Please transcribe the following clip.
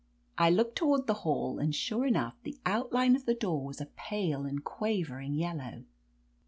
I looked toward the hall, and sure enough the outline of the door was a pale and quaver ing yellow.